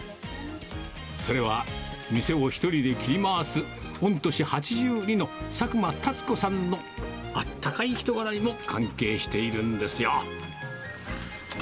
それは、店を１人で切り回す、御年８２の佐久間たつ子さんのあったかい人柄にも関係しているんですよ。